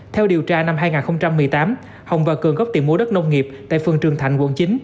theo điều tra năm hai nghìn một mươi tám hồng và cường góp tiền mua đất nông nghiệp tại phường trường thạnh quận chín